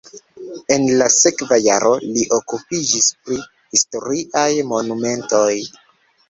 En la sekva jaro li okupiĝis pri historiaj monumentoj.